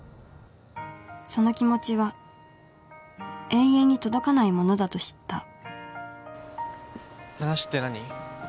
その気持ちは永遠に届かないものだと知った話って何？